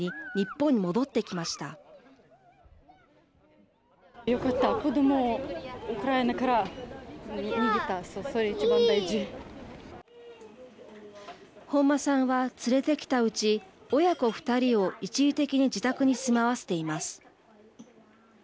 本間さんは連れてきたうち親子２人を一時的に自宅に住まわせています。